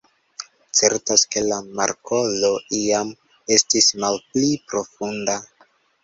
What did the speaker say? Certas, ke la markolo iam estis malpli profunda.